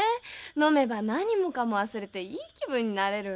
飲めば何もかも忘れていい気分になれる。